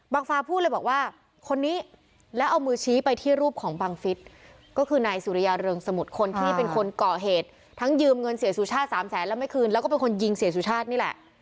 ฟาพูดเลยบอกว่าคนนี้แล้วเอามือชี้ไปที่รูปของบังฟิศก็คือนายสุริยาเริงสมุทรคนที่เป็นคนก่อเหตุทั้งยืมเงินเสียสุชาติสามแสนแล้วไม่คืนแล้วก็เป็นคนยิงเสียสุชาตินี่แหละ